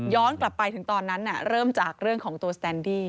กลับไปถึงตอนนั้นเริ่มจากเรื่องของตัวสแตนดี้